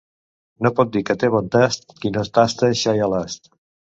No pot dir que té bon tast qui no tasta xai a l'ast.